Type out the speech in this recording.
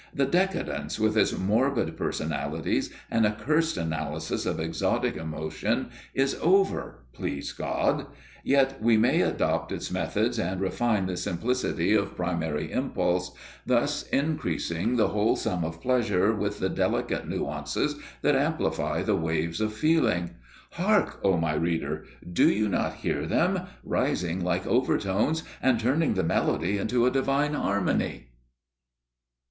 The Decadence, with its morbid personalities and accursed analysis of exotic emotion, is over, please God; yet we may adopt its methods and refine the simplicity of primary impulse, thus increasing the whole sum of pleasure with the delicate nuances that amplify the waves of feeling. Hark, O my reader! Do you not hear them, rising like overtones and turning the melody into a divine harmony?